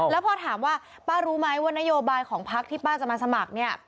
แล้วพอถามว่าป้ารู้ไหมว่านโยบายของพักที่ป้าจะมาสมัครเนี่ย